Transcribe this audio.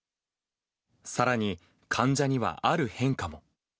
さらに、患者にはある変化も。